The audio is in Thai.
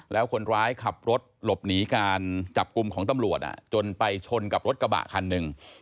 แล้วคนร้ายขับรถหลบหนีการจับกลุ่มของตำรวจจนไปชนกับรถกระบะคันหนึ่ง